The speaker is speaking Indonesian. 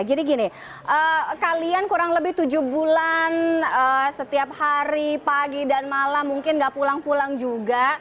jadi gini kalian kurang lebih tujuh bulan setiap hari pagi dan malam mungkin nggak pulang pulang juga